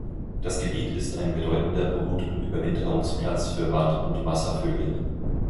Das Gebiet ist ein bedeutender Brut- und Überwinterungsplatz für Wat- und Wasservögel.